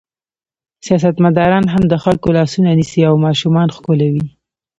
سیاستمداران هم د خلکو لاسونه نیسي او ماشومان ښکلوي.